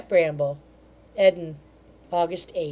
BRAMBLE EDIN., August 8.